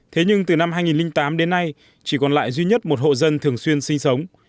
thế nhưng từ năm hai nghìn tám đến nay chỉ còn lại duy nhất một hộ dân thường xuyên sinh sống